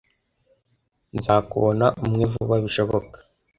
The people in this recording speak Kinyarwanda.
Nzakubona umwe vuba bishoboka.